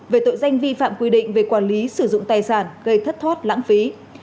về tội danh vi phạm quy định về quản lý sử dụng tài sản gây thất thoát lãng phí